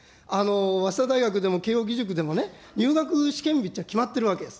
早稲田大学でもけいおう義塾でも入学試験日っていうのは、決まっているわけです。